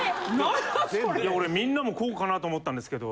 いや俺みんなもこうかなと思ったんですけど。